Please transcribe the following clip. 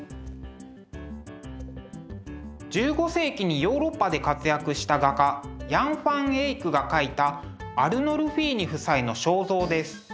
１５世紀にヨーロッパで活躍した画家ヤン・ファン・エイクが描いた「アルノルフィーニ夫妻の肖像」です。